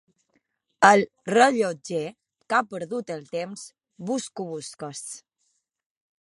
El rellotger que ha perdut el temps: —Busco busques.